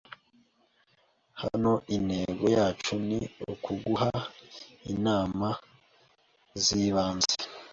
Hano intego yacu ni ukuguha inama z’ibanze